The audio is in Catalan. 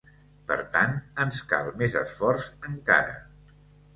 Per tant, ens cal més esforç encara.